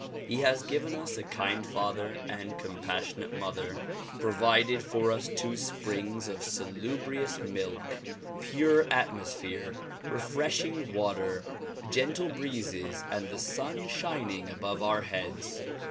He has given us a kind father and com passionate mother, provided for us two springs of salubrious milk, pure atmosphere, refreshing water, gentle breezes and the sun shin ing above our heads.